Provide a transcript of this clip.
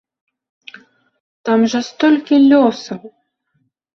Там жа столькі лёсаў!